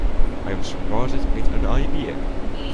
I was rewarded with an idea.